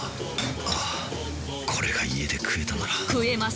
ああこれが家で食えたなら食えます！